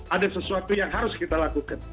ada sesuatu yang harus kita lakukan